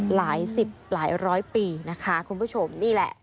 หลายสิบหลายร้อยปีนะคะคุณผู้ชมนี่แหละ